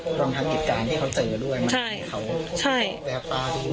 การทำกิจการณ์ที่เขาเจอด้วยมันทำให้เขาแบบปลาดี